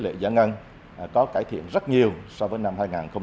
tỷ lệ giải ngân có cải thiện rất nhiều so với năm hai nghìn một mươi chín